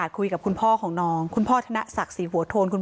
แต่มันถือปืนมันไม่รู้นะแต่ตอนหลังมันจะยิงอะไรหรือเปล่าเราก็ไม่รู้นะ